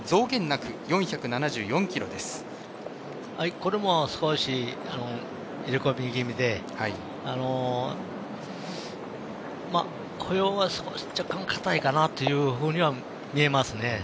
これも少しイレ込み気味で歩様は少し若干かたいかなというふうには見えますね。